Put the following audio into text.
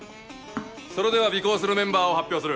それでは尾行するメンバーを発表する。